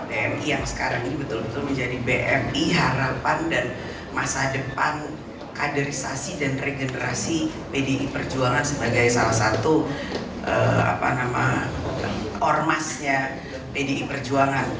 tni yang sekarang ini betul betul menjadi bmi harapan dan masa depan kaderisasi dan regenerasi pdi perjuangan sebagai salah satu ormasnya pdi perjuangan